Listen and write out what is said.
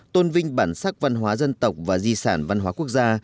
tôn vinh bản sắc văn hóa dân tộc và di sản văn hóa quốc gia